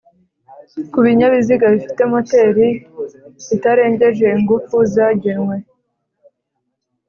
ku binyabiziga bifite moteri itarengeje ingufu zagenwe